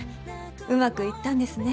うまくいったんですね。